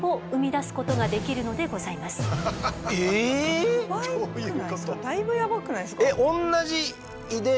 だいぶヤバくないですか？